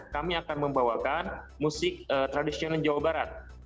kami akan membawakan musik tradisional jawa barat